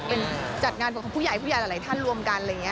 เป็นจัดงานของผู้ใหญ่ผู้ใหญ่หลายท่านรวมกัน